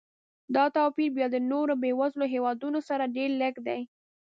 دا توپیر بیا له نورو بېوزلو هېوادونو سره ډېر لږ دی.